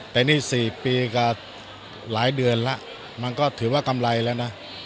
แต่นี่๔ปีกับหลายเดือนแล้วมันก็ถือว่ากำไรแล้วนะ